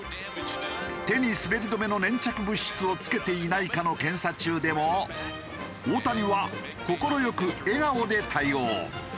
手に滑り止めの粘着物質をつけていないかの検査中でも大谷は快く笑顔で対応。